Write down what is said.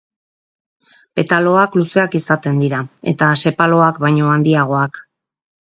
Petaloak luzeak izaten dira, eta sepaloak baino handiagoak.